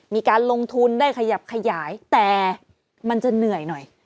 มีการลงทุนได้ขยับขยายแต่มันจะเหนื่อยหน่อย